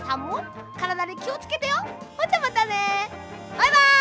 バイバイ！